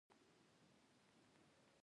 خو درځي درځي دا ځل غلطي نه بښم.